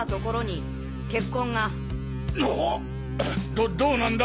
どどうなんだ？